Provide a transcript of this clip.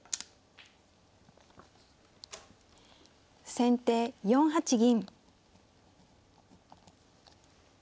先手４八銀。